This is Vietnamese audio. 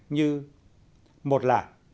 như một là